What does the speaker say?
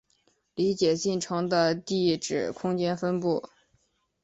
理解进程的地址空间分布